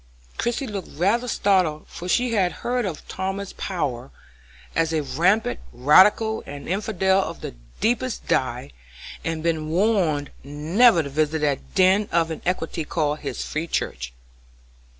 Christie looked rather startled, for she had heard of Thomas Power as a rampant radical and infidel of the deepest dye, and been warned never to visit that den of iniquity called his free church.